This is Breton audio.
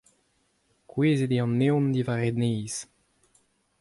kouezhet eo an evn diwar e neizh.